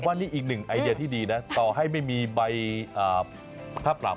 ว่านี่อีกหนึ่งไอเดียที่ดีนะต่อให้ไม่มีใบค่าปรับ